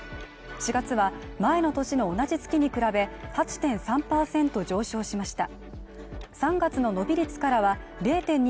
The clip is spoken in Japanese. ４月は前の年の同じ月に比べ８．３％上昇しました。